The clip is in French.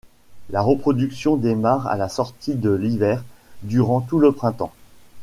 La reproduction démarre à la sortie de l'hiver, durant tout le printemps.